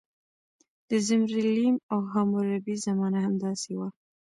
د زیمري لیم او حموربي زمانه همداسې وه.